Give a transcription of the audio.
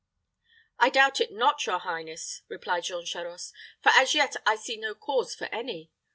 "I doubt it not, your highness," replied Jean Charost; "for as yet I see no cause for any.